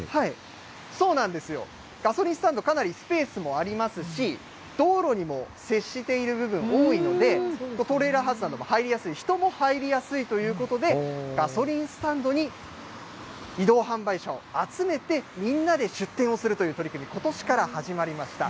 そうなんですよ、ガソリンスタンド、かなりスペースもありますし、道路にも接している部分、多いのでトレーラーでも入りやすい、人も入りやすいということで、ガソリンスタンドに移動販売車を集めて、みんなで出店をするという取り組み、ことしから始まりました。